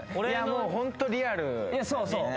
もうホントリアルだよね